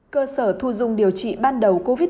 cơ sở thu dung điều trị ban đầu covid một mươi chín